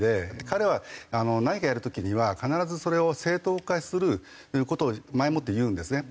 彼は何かやる時には必ずそれを正当化する事を前もって言うんですね。